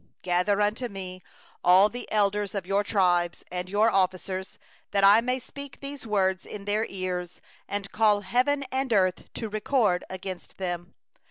28Assemble unto me all the elders of your tribes, and your officers, that I may speak these words in their ears, and call heaven and earth to witness against them.